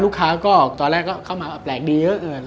ลูกค้าก็ตอนแรกก็เข้ามาแปลกดีเยอะเกิน